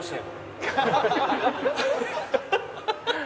ハハハハ！